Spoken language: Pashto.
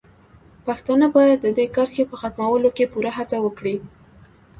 پښتانه باید د دې کرښې په ختمولو کې پوره هڅه وکړي.